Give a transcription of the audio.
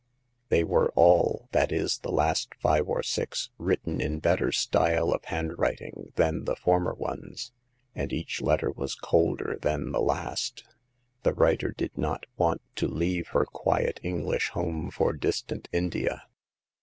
They were all— that is, the last five or six — written in better style of handwriting than the former ones ; and each letter was colder than the last. The writer did not want to leave her quiet English home for distant India.